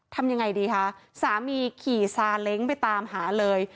ทำยังไงดีคะสามีขี่ซาเล้งไปตามหาเลย